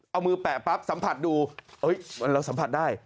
เอามือแปะปั๊บสัมผัสดูเราสัมผัสได้